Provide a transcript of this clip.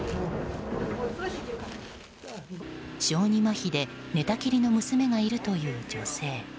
小児まひで寝たきりの娘がいるという女性。